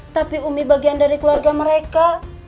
tapi umi bagian dari keluarga mereka